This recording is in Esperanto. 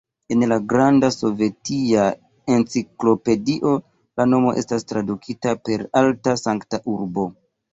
En la Granda Sovetia Enciklopedio la nomo estas tradukita per "alta, sankta urbo".